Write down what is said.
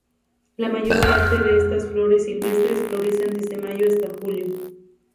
La mayor parte de estas flores silvestres florecen desde mayo hasta julio.